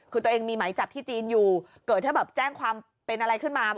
คือตัวเองมีไหมจับที่จีนอยู่เกิดถ้าแบบแจ้งความเป็นอะไรขึ้นมา